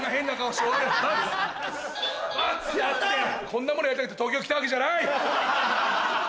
こんなものやりたくて東京来たわけじゃない！